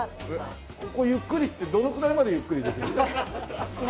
ここゆっくりってどのくらいまでゆっくりできるの？